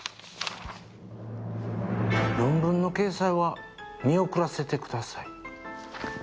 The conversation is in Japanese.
「論文の掲載は見送らせてください」。